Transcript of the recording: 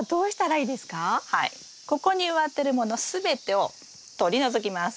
はいここに植わってるもの全てをとりのぞきます。